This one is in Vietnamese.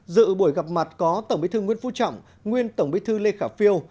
dự buổi gặp mặt có tổng bí thư nguyễn phú trọng nguyên tổng bí thư lê khả phiêu